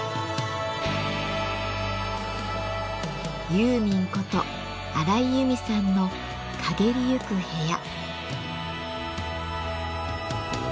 ユーミンこと荒井由実さんの「翳りゆく部屋」。